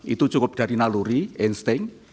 itu cukup dari naluri insting